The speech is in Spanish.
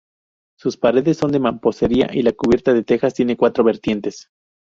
Sus paredes son de mampostería y la cubierta, de tejas, tiene cuatro vertientes.